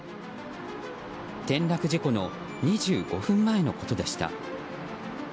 転落事故の２５分前のことでした。